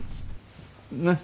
なっ